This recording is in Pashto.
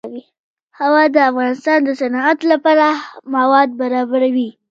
هوا د افغانستان د صنعت لپاره مواد برابروي.